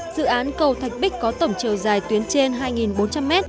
dự án cầu thạch bích có tổng chiều dài tuyến trên hai bốn trăm linh m